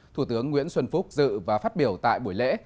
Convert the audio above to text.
thủ tướng nguyễn xuân phúc dự và phát biểu tại buổi lễ